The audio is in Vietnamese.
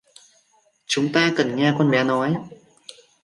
Chúng ta cần nghe con bé nói